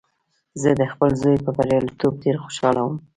زه د خپل زوی په بریالیتوب ډېر خوشحاله وم